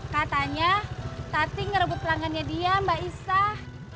katanya tati ngerebut pelanggannya dia mbak isah